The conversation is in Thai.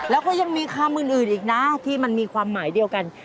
แล้วก็ยังมีคำอื่นอีกนะที่มันมีความหมายเดียวกัน